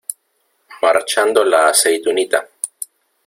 marchando la aceitunita.